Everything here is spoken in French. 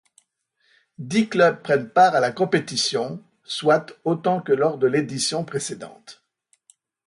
Dix clubs prennent part à la compétition, soit autant que lors de l'édition précédente.